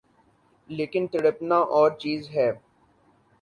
لیکن تڑپنا اورچیز ہے۔